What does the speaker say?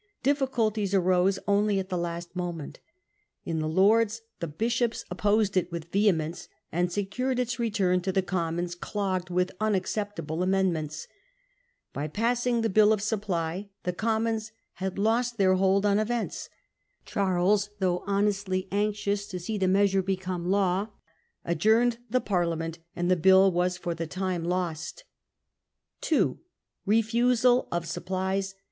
Difficulties Loss of the arose only at the last moment. In the Lords easeof the ^^ S ^°P S opposed it with vehemence, and Protestant secured its return to the Commons clogged Dissenters, w ith unacceptable amendments. By passing the Bill of Supply the Commons had lost their hold on 1 6 74 * Discontent of Parliament. 225 events. Charles, though honestly anxious to see the measure become law, adjourned the Parliament, and the bill was for the time ldst. 2. Refusal of Supplies.